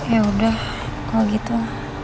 ya udah kalau gitu